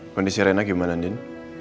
kondisi rena gimana din